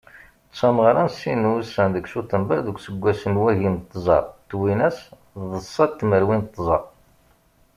D tameɣra n sin n wussan deg cutember deg useggas n wagim d tẓa twinas d ṣa tmerwin d tẓa.